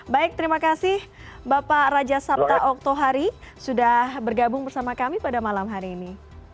baik terima kasih bapak raja sabta oktohari sudah bergabung bersama kami pada malam hari ini